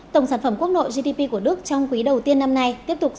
tổng sản phẩm quốc nội gdp của đức trong quý đầu tiên năm nay